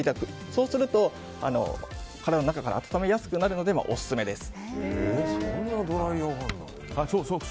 そうすると、体の中から温めやすくなるのでオススメです。